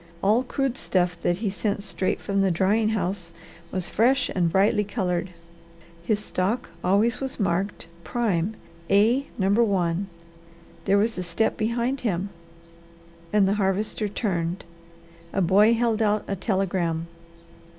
All crude stuff that he sent straight from the drying house was fresh and brightly coloured. His stock always was marked prime A No. 1. There was a step behind him and the Harvester turned. A boy held out a telegram.